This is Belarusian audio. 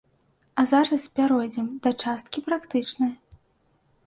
А зараз пяройдзем да часткі практычнай.